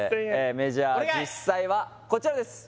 メジャー実際はこちらです